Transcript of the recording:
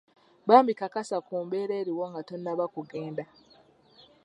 Bambi kakasa ku mbeera eriwo nga tonnaba kugenda